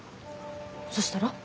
そしたら？